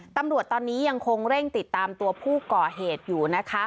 ตำรวจตอนนี้ยังคงเร่งติดตามตัวผู้ก่อเหตุอยู่นะคะ